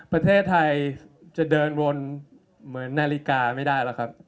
ประเทศไทยจะเดินวนเหมือนนาฬิกาไม่ได้แล้วครับ